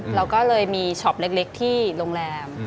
เราก็เลยมีช็อปเล็กที่โรงแรม